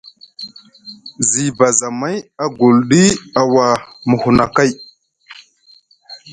Ziba zamay agulɗi a wa muhunakay.